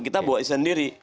kita buat sendiri